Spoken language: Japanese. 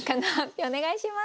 お願いします。